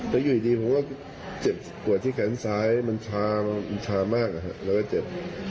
แล้วอยู่ดีผมก็เจ็บปวดที่แขนซ้ายมันชามันชามากแล้วก็เจ็บ